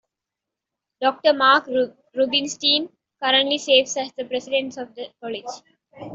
Doctor Mark Rubinstein currently serves as the president of the college.